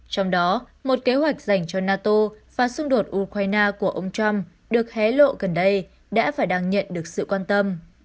trong đó một kế hoạch dành cho nato và xung đột ukraine của ông trump được hé lộ gần đây đã và đang nhận được sự quan tâm